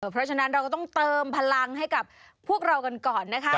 เพราะฉะนั้นเราก็ต้องเติมพลังให้กับพวกเรากันก่อนนะคะ